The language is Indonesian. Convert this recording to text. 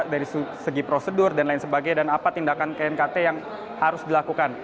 dari segi prosedur dan lain sebagainya dan apa tindakan knkt yang harus dilakukan